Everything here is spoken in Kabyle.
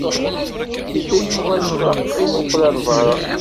Yedda Yuba ar ṭṭaq imuqel ar berra.